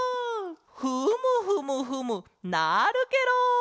フムフムフムなるケロ！